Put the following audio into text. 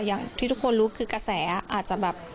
อย่างที่ทุกคนรู้คือกระแสอาจจะแบบ